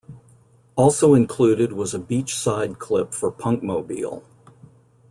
Also included was a beach-side clip for Punkmobile.